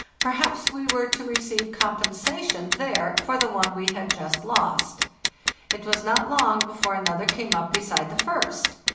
Perhaps we were to receive com pensation there for the one we had just lost. It was not long before another came up beside the first.